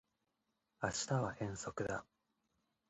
明日は遠足だ